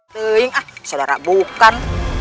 teling ah saudara bukan